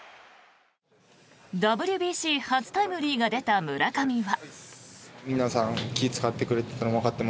ＷＢＣ初タイムリーが出た村上は。